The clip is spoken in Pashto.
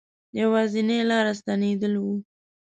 یوازنی لاره ستنېدل وه.